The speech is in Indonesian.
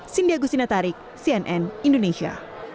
sindia gusinatarik cnn indonesia